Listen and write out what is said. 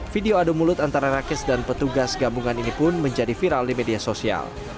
video adu mulut antara rakis dan petugas gabungan ini pun menjadi viral di media sosial